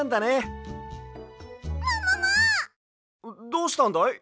どうしたんだい？